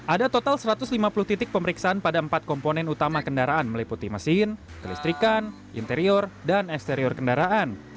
ada total satu ratus lima puluh titik pemeriksaan pada empat komponen utama kendaraan meliputi mesin kelistrikan interior dan eksterior kendaraan